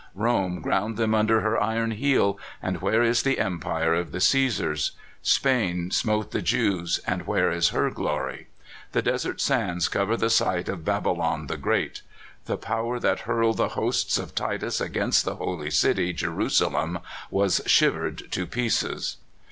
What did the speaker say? Rome ground them under her iron heel, and where is the empire ,r>f the Csesars? Spain smote the Jew, and where as her glory? The desert sands cover the site of Babylon the Great. The power that hurled the hosts of Titus against the holy city Jerusalem was shivered to pieces.